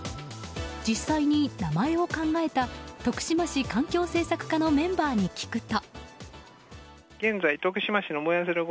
実際に名前を考えた徳島市環境政策課のメンバーに聞くと。